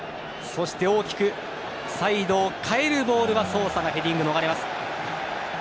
そして大きくサイドを変えるボールはソーサがヘディングで逃れます。